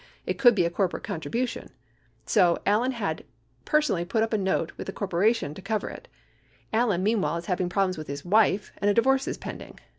It could be a corporate contribution. So Al len had personally put a note up with the corporation to cover it. Allen, meanwhile, is having problems with his wife, and a divorce is pending.